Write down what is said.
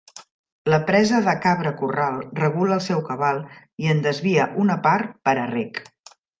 La presa de Cabra Corral regula el seu cabal i en desvia una par per a rec.